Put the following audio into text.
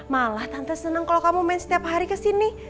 malah tante seneng kalo kamu main setiap hari kesini